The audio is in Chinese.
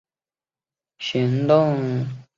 此行动为后来入侵义大利揭开续幕。